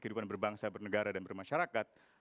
kehidupan berbangsa bernegara dan bermasyarakat